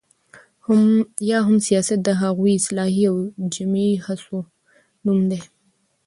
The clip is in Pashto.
یا هم سياست د هغو اصلاحي او جمعي هڅو نوم دی،